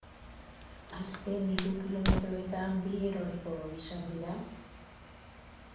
Azken hiru kilometroetan, bi eroriko izan dira.